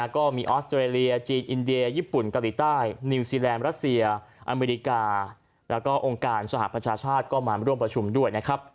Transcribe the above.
ออสเตรเลียจีนอินเดียญี่ปุ่นเกาหลีใต้นิวซีแลนดรัสเซียอเมริกาแล้วก็องค์การสหประชาชาติก็มาร่วมประชุมด้วยนะครับ